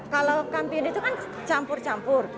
kalau kampiunde itu kan campur campur